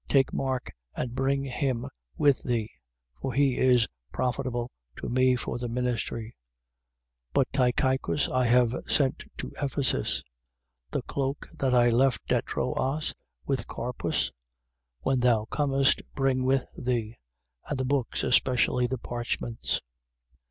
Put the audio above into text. Take Mark and bring him with thee: for he is profitable to me for the ministry. 4:12. But Tychicus I have sent to Ephesus. 4:13. The cloak that I left at Troas, with Carpus, when thou comest, bring with thee: and the books, especially the parchments.